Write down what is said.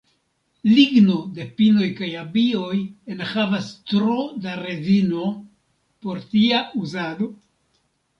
Ligno de pinoj kaj abioj enhavas tro da rezino por tia uzado.